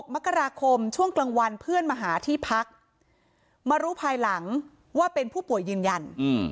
มกราคมช่วงกลางวันเพื่อนมาหาที่พักมารู้ภายหลังว่าเป็นผู้ป่วยยืนยัน